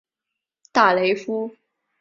大雷夫。